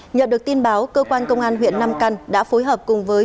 nhận được tin báo cơ quan công an huyện nam căn đã phối hợp cùng với